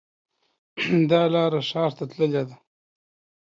دا لاره ښار ته تللې ده